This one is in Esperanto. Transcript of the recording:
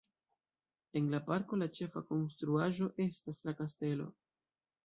En la parko la ĉefa konstruaĵo estas la kastelo.